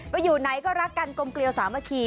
อยู่ไหนก็รักกันกลมเกลียวสามัคคี